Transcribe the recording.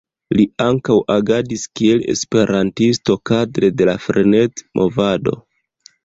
Li ankaŭ agadis kiel esperantisto kadre de la Frenet-movado.